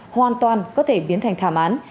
hoàn toàn có thể biến thành thảm án